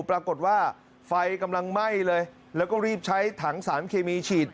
ปรากฏว่าไฟกำลังไหม้เลยแล้วก็รีบใช้ถังสารเคมีฉีด